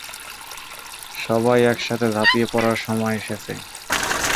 সবাই একসাথে ঝাঁপিয়ে পড়ার সময় এসেছে।